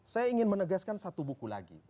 saya ingin menegaskan satu buku lagi